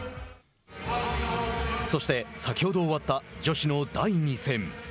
そして先ほど終わった女子の第２戦。